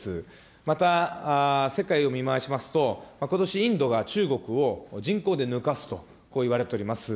また、世界を見まわしますと、ことし、インドが中国を人口で抜かすと、こういわれております。